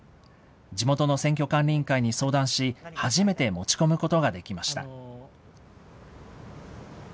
地元の選挙管理委員会に相談し、初めて持ち込むことができました。